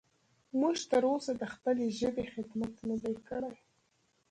موږ تر اوسه د خپلې ژبې خدمت نه دی کړی.